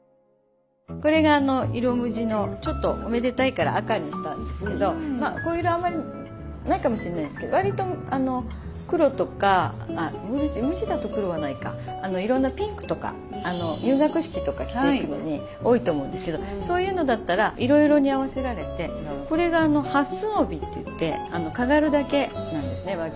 これが色無地のちょっとおめでたいから赤にしたんですけどこういう色あまりないかもしれないですけど割と黒とか無地だと黒はないかいろんなピンクとか入学式とか着ていくのに多いと思うんですけどそういうのだったらいろいろに合わせられてこれが八寸帯っていってかがるだけなんですね